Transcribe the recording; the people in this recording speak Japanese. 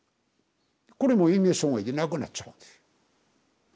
これも嚥下障害で亡くなっちゃうんです。